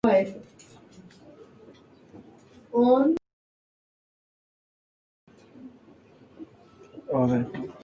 James durante cuatro semanas.